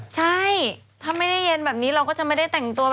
ใช่ถ้าไม่ได้เย็นแบบนี้เราก็จะไม่ได้แต่งตัวแบบ